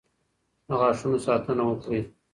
د غاښونو ساتنه وکړئ.